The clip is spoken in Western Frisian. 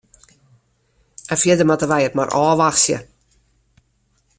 En fierder moatte wy it mar ôfwachtsje.